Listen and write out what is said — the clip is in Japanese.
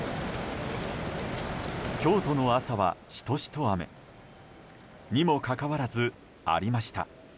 京都の朝はシトシト雨。にもかかわらずありました。